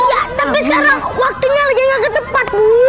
iya tapi sekarang waktunya lagi gak ketepat bu